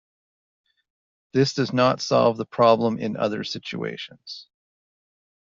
This does not solve the problem in other situations.